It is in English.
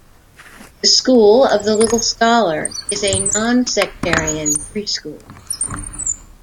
The School of the Little Scholar is a non-sectarian preschool.